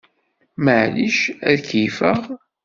Maɛlic ad keyyfeɣ?